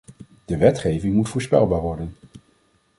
De wetgeving moet voorspelbaar worden.